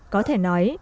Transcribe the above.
có thể nói